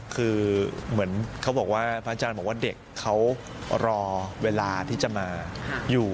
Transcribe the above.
เขาบอกว่าเด็กเขารอเวลาที่จะมาอยู่